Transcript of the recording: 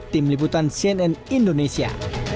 tim liputan cnn indonesia